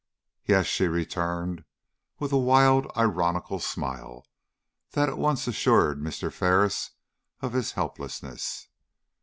"Yes," she returned, with a wild, ironical smile that at once assured Mr. Ferris of his helplessness.